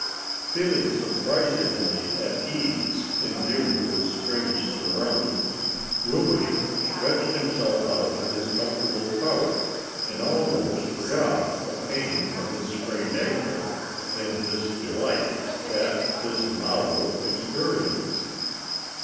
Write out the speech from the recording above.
Feeling surprisingly at his ease, in view of his strange surroundings, Wilby stretched himself out on his comfortable couch, and almost forgot the pain from his sprained ankle in his delight at his novel experience.